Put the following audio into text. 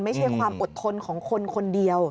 ไม่ใช่ความอดทนของคนคนเดียว